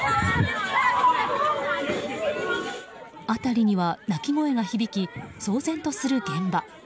辺りには泣き声が響き騒然とする現場。